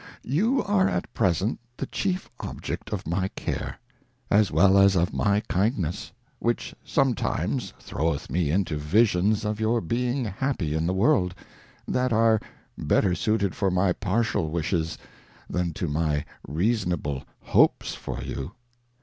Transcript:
You are • at present the chief Object of my Care, as well as of my Kind ness, vchich sometimes throweth me into Visions of your being happy in the World, that are better suited to my partial Wishes, than to my reasonable Hopes for you.